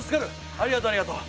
ありがとうありがとう。